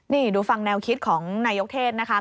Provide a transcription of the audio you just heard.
นี่ดูฟังแนวคิดของนายกเทศนะคะ